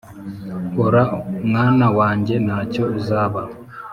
hora mwana wanjye ntacyo uzaba